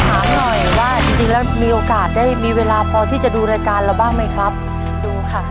ถามหน่อยว่าจริงจริงแล้วมีโอกาสได้มีเวลาพอที่จะดูรายการเราบ้างไหมครับดูค่ะ